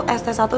es teh satu